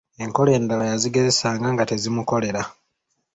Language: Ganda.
Enkola endala yazigezesanga nga tezimukolera.